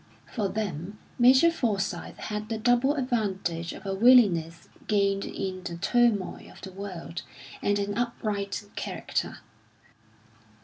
For them Major Forsyth had the double advantage of a wiliness gained in the turmoil of the world and an upright character.